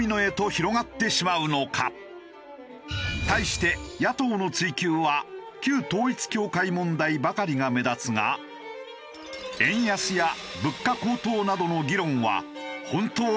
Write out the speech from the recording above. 対して野党の追及は旧統一教会問題ばかりが目立つが円安や物価高騰などの議論は本当に大丈夫なのだろうか？